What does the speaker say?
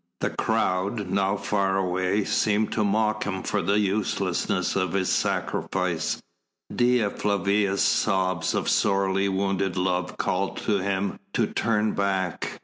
The crowd, now far away, seemed to mock him for the uselessness of his sacrifice; Dea Flavia's sobs of sorely wounded love called to him to turn back.